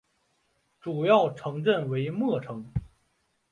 主要城镇为莫城。